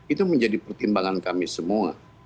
itu menjadi pertimbangan kami semua